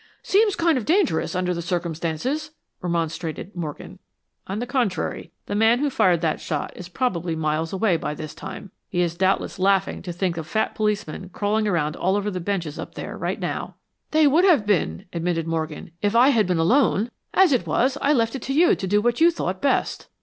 "Seems kind of dangerous, under the circumstances," remonstrated Morgan. "On the contrary, the man who fired that shot is probably miles away by this time. He is doubtless laughing to think of fat policemen crawling around over the benches up there right now." "They would have been," admitted Morgan, "if I had been alone. As it was, I left it to you to do what you thought best."